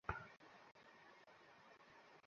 কী উদ্দেশ্য ছিল তাদের?